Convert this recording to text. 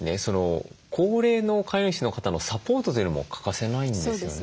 高齢の飼い主の方のサポートというのも欠かせないんですよね。